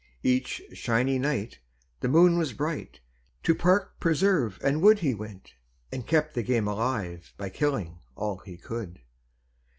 Each "shiny night" the moon was bright, To park, preserve, and wood He went, and kept the game alive, By killing all he could.